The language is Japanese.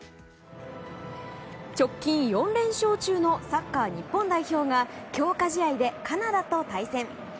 直近４連勝中のサッカー日本代表が強化試合で、カナダと対戦。